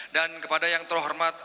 dan kepada yang terhormat